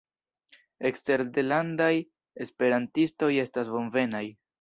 Eksterlandaj esperantistoj estas bonvenaj.